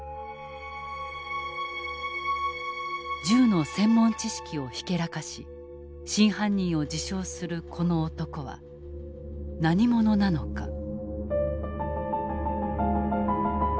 銃の専門知識をひけらかし真犯人を自称するこの男は何者なのか？